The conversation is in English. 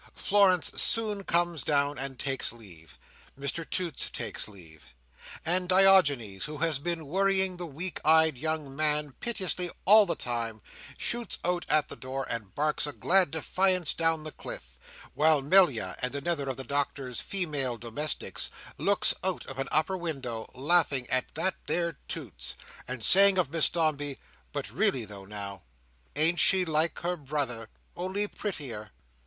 Florence soon comes down and takes leave; Mr Toots takes leave; and Diogenes, who has been worrying the weak eyed young man pitilessly all the time, shoots out at the door, and barks a glad defiance down the cliff; while Melia, and another of the Doctor's female domestics, looks out of an upper window, laughing "at that there Toots," and saying of Miss Dombey, "But really though, now—ain't she like her brother, only prettier?"